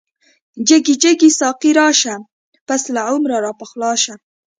جګی جګی ساقی راشه، پس له عمره راپخلا شه